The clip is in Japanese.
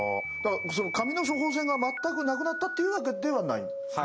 紙の処方箋が全くなくなったっていうわけではないんですね。